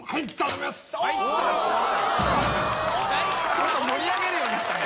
ちょっと盛り上げるようになったね。